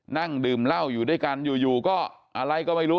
นั่งดื่มเหล้าอยู่ด้วยกันอยู่ก็อะไรก็ไม่รู้